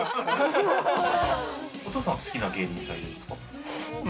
お父さん、好きな芸人さんはいるんですか？